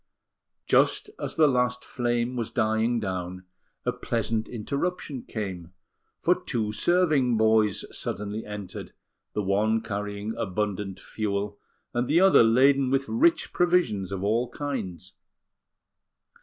Just as the last flame was dying down, a pleasant interruption came; for two serving boys suddenly entered, the one carrying abundant fuel, and the other laden with rich provisions of all kinds.